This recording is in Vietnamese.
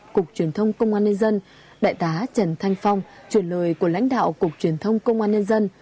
cục truyền thông công an nhân dân đại tá trần thanh phong chuyển lời của lãnh đạo cục truyền thông công an nhân dân